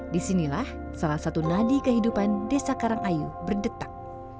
disinilah salah satu nadi kehidupan desa karangayu berdetak